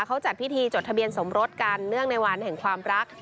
เขาจัดพิธีจดทะเบียนสมรสกันเนื่องในวันแห่งความรัก